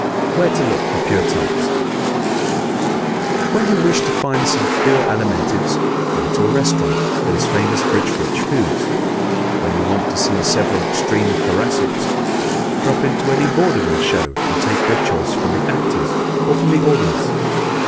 Where to Look for Pure Types ¶ When you wish to find some pure Alimentives, go to a restaurant that is famous for its rich foods. When you want to see several extreme Thoracics, drop into any vaudeville show and take your choice from the actors or from the audience.